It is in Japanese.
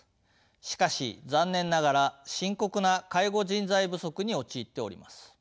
しかし残念ながら深刻な介護人材不足に陥っております。